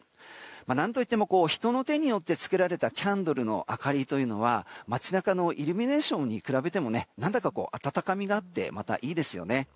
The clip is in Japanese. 何といっても人に手によってつけられたキャンドルの明かりは街中のイルミネーションに比べても何だか温かみがあっていいですよね。